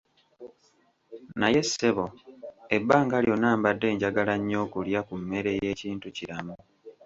Naye, ssebo, ebbanga lyonna mbadde njagala nnyo okulya ku mmere y'ekintukiramu.